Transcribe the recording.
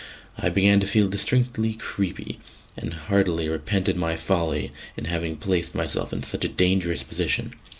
I began to feel distinctly "creepy," and heartily repented my folly in having placed myself in such a dangerous position.